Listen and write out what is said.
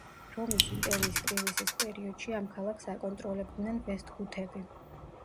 რომის იმპერიის კრიზისის პერიოდში ამ ქალაქს აკონტროლებდნენ ვესტგუთები.